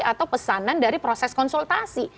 atau pesanan dari proses konsultasi